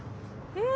うん。